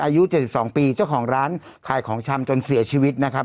อายุ๗๒ปีเจ้าของร้านขายของชำจนเสียชีวิตนะครับ